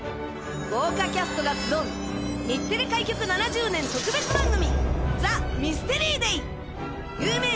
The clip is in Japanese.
豪華キャストが集う日テレ開局７０年特別番組。